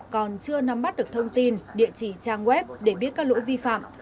còn chưa nắm bắt được thông tin địa chỉ trang web để biết các lỗi vi phạm